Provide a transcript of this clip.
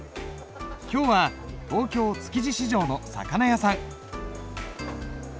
今日は東京築地市場の魚屋さん。